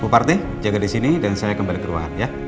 bu parti jaga disini dan saya kembali ke ruangan ya